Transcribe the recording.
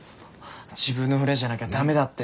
自分の船じゃなきゃ駄目だって。